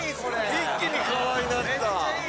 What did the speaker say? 一気にかわいなった。